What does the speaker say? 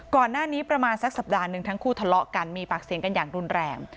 ก่อนหน้านี้ประมาณสักสัปดาห์หนึ่งทั้งคู่ทะเลาะกันมีปากเสียงกันอย่างรุนแรง